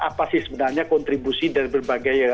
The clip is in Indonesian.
apa sih sebenarnya kontribusi dari berbagai